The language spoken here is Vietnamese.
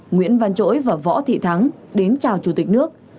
nguyễn văn trỗi và võ thị thắng đến chào chủ tịch nước